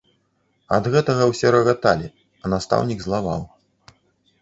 Ад гэтага ўсе рагаталі, а настаўнік злаваў.